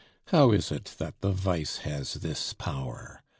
How is it that the vice has this power?